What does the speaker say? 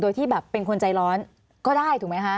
โดยที่แบบเป็นคนใจร้อนก็ได้ถูกไหมคะ